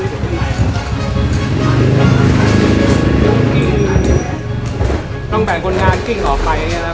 และที่เราต้องใช้เวลาในการปฏิบัติหน้าที่ระยะเวลาหนึ่งนะครับ